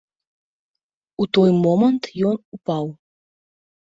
У той момант ён упаў.